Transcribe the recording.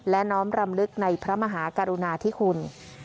และน้อมรำลึกในพระมหากรุณาธิคุณ